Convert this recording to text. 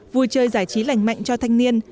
vui chơi giải trí lành mạnh cho thanh niên